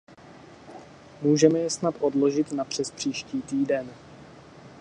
Můžeme je snad odložit na přespříští týden.